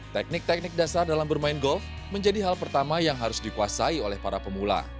teknik teknik dasar dalam bermain golf menjadi hal pertama yang harus dikuasai oleh para pemula